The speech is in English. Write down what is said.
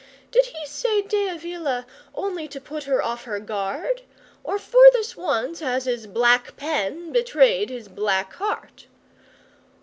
Did he say De Avila only to put her off her guard, or for this once has his black pen betrayed his black heart?